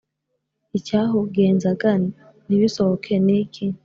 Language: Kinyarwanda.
Icyahugenzaga ntibisohoke niki?